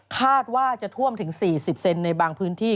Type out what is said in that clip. คาดว่าจะท่วมถึง๔๐เซนในบางพื้นที่